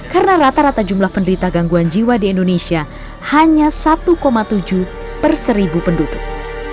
karena rata rata jumlah penderita gangguan jiwa di indonesia hanya satu tujuh perseribu penduduk